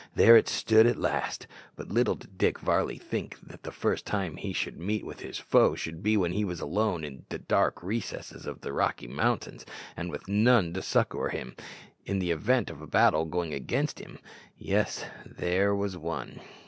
There it stood at last; but little did Dick Varley think that the first time he should meet with his foe should be when alone in the dark recesses of the Rocky Mountains, and with none to succour him in the event of the battle going against him. Yes, there was one.